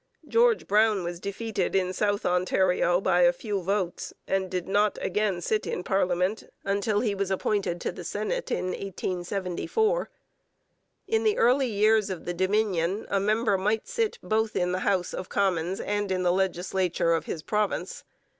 George Brown was defeated in South Ontario by a few votes, and did not again sit in parliament until he was appointed to the Senate in 1874. In the early years of the Dominion a member might sit both in the House of Commons and in the legislature of his province.